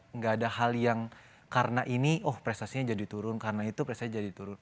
nggak ada hal yang karena ini oh prestasinya jadi turun karena itu prestasi jadi turun